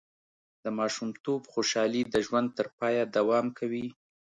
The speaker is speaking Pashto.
د ماشومتوب خوشحالي د ژوند تر پایه دوام کوي.